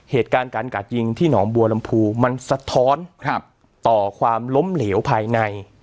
เหตุการณ์การกาดยิงที่หนองบัวลำพูมันสะท้อนต่อความล้มเหลวภายใน